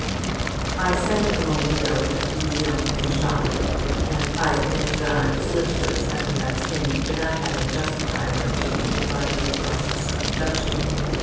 I said a moment ago that he was young and shy; and I admit that I slipped those epithets in without having justified them to you by due process of induction.